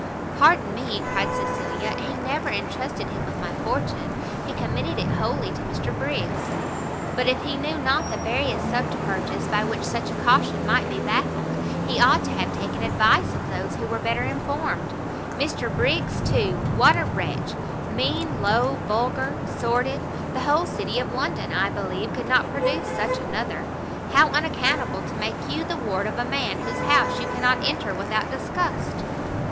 "Pardon me," cried Cecilia, "he never entrusted him with my fortune, he committed it wholly to Mr Briggs." "But if he knew not the various subterfuges by which such a caution might be baffled, he ought to have taken advice of those who were better informed. Mr Briggs, too! what a wretch! mean, low, vulgar, sordid! the whole city of London, I believe, could not produce such another! how unaccountable to make you the ward of a man whose house you cannot enter without disgust!"